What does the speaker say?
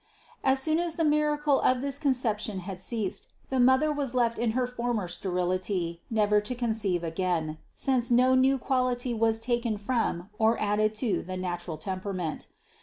As soon as the miracle of this Conception had ceased, the mother was left in her former sterility never to con ceive again, since no new quality was taken from or added to the natural temperament.